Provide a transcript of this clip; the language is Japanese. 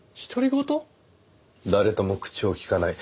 誰とも口を利かない。